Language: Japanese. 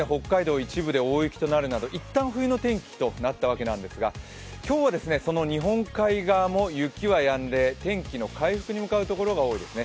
一部で大雪となるなどいったん冬の天気となったわけですが今日はその日本海側も雪はやんで天気の回復に向かうところが多いですね。